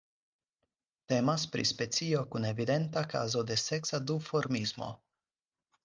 Temas pri specio kun evidenta kazo de seksa duformismo.